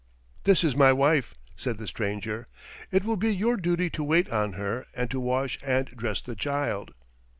"This is my wife," said the stranger. "It will be your duty to wait on her and to wash and dress the child."